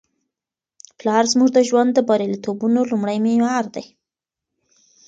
پلار زموږ د ژوند د بریالیتوبونو لومړی معمار دی.